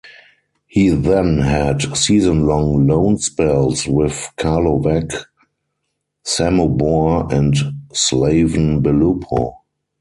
He then had season-long loan spells with Karlovac, Samobor and Slaven Belupo.